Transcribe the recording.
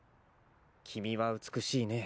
君は美しいね。